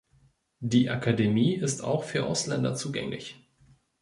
Die Akademie ist auch für Ausländer zugänglich.